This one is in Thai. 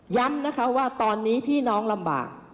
ย้ำนะคะว่าตอนนี้พี่น้องลำบาก